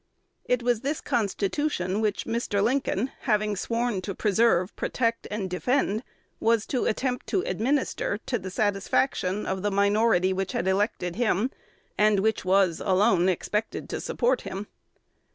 It was this Constitution which Mr. Lincoln, having sworn to preserve, protect, and defend, was to attempt to administer to the satisfaction of the minority which had elected him, and which was alone expected to support him.